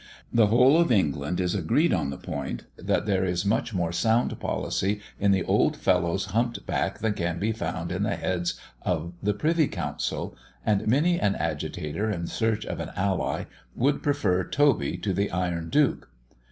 The whole of England is agreed on the point that there is much more sound policy in the old fellow's humped back than can be found in the heads of the Privy Council; and many an agitator in search of an ally would prefer Toby to the Iron Duke.